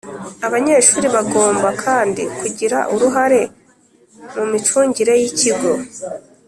Abanyeshuri bagomba kandi kugira uruhare mu micungire y'ikigo,